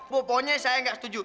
pokoknya saya gak setuju